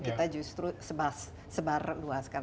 kita justru sebar luaskan